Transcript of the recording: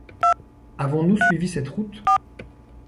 Avons-nous suivi cette route ?